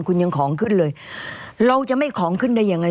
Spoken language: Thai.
คุณยังของขึ้นเลยเราจะไม่ของขึ้นได้ยังไง